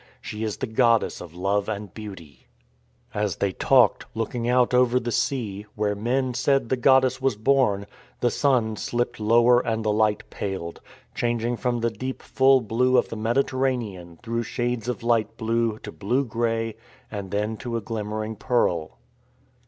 She is the goddess of love and beauty. As they talked, looking out over the sea, where men said the goddess was born, the sun slipped lower and the light paled, changing from the deep full blue of the Mediterranean through shades of light blue to blue grey and then to a glimmering pearl.